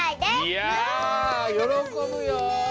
いやよろこぶよ。